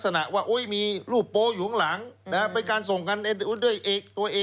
แต่โดนหมายจับคดี